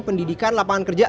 pendidikan lapangan kerja